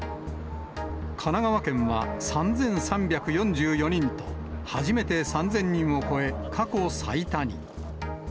神奈川県は３３４４人と、初めて３０００人を超え、過去最多に。